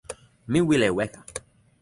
mi wile weka.